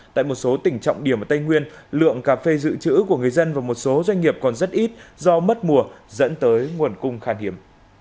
tại một số tỉnh trọng điểm ở tây nguyên lượng cà phê dự trữ của người dân và một số doanh nghiệp còn rất ít do mất mùa dẫn tới nguồn cung khan hiếm